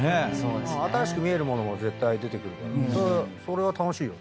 新しく見えるものも絶対出てくるからそれは楽しいよね。